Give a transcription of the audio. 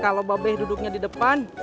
kalau babe duduknya di depan